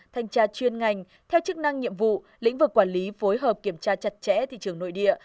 thanh tra chuyên ngành theo chức năng nhiệm vụ lĩnh vực quản lý phối hợp kiểm tra chặt chẽ thị trường nội địa